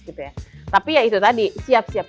gitu ya tapi ya itu tadi siap siap